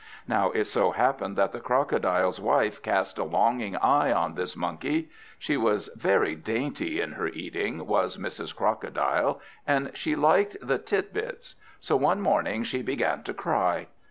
Now it so happened that the crocodile's wife cast a longing eye on this Monkey. She was very dainty in her eating, was Mrs. Crocodile, and she liked the tit bits. So one morning she began to cry.